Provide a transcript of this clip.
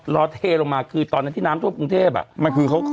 รอเทลงมาคือตอนแนะที่น้ำท่วมปกติเทพอ่ะ